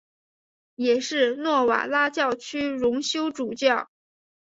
也是诺瓦拉教区荣休主教。